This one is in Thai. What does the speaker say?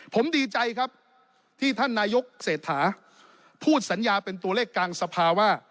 ผมดีใจครับที่ท่านนายกเศรษฐาพูดสัญญาเป็นตัวเลขกลางสภาว่า